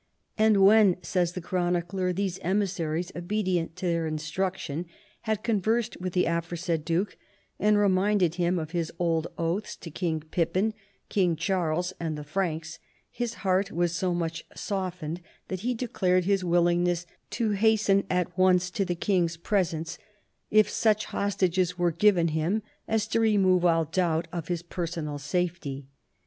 " And when," says the chronicler, " these emissaries, obedient to their instruction, had conversed with the aforesaid duke, and reminded him of his old oaths to King Pippin, King Charles and the Franks, his heart was so much softened that he declared his Avillingness to hasten at once to the king's presence, if such hostages were given him as to remove all doubt of his personal safety.